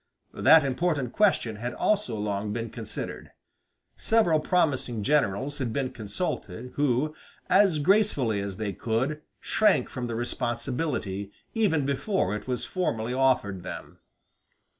That important question had also long been considered; several promising generals had been consulted, who, as gracefully as they could, shrank from the responsibility even before it was formally offered them.